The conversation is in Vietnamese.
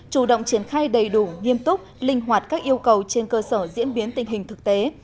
chủ động triển khai đầy đủ nghiêm túc linh hoạt các yêu cầu trên cơ sở diễn biến tình hình thực tế